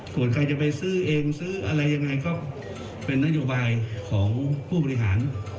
ส่วนใครจะไปซื้อเองซื้ออะไรยังไงก็เป็นนโยบายของผู้บริหาร